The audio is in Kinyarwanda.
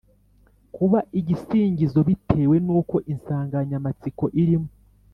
kuba igisingizo bitewe n’uko insanganyamatsiko irimo